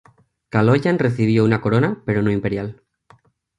Kaloyan recibió una corona, pero no imperial.